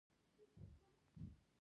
د میزبان د حجرې میتابولیزم څخه ګټه اخلي.